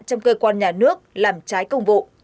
trong cơ quan nhà nước làm trái công vụ